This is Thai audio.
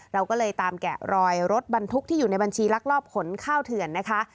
เราก็เลยตามแกะรอยรถบรรทุกที่อยู่ในบัญชีลักลอบขนข้าวเถื่อนนะคะ